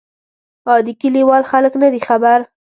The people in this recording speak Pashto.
عادي کلیوال خلک نه دي خبر.